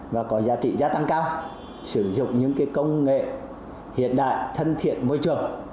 và có giá trị gia tăng cao sử dụng những công nghệ hiện đại thân thiện môi trường